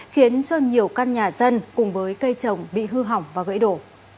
khiến cho nhiều căn nhà dân cùng với cây trồng bị hư hỏng và gãy đổ